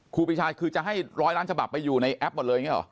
ครูปีชาคือจะให้ร้อยล้านฉบับไปอยู่ในแอปหมดเลยอย่างนี้หรอ